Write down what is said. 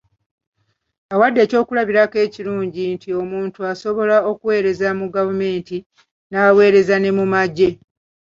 Awadde eky'okulabirako ekirungi nti omuntu asobola okuweereza mu gavumenti, n'aweereza ne mu magye.